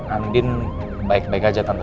andin baik baik aja tanpa